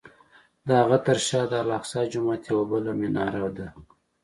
د هغه تر شا د الاقصی جومات یوه بله مناره ده.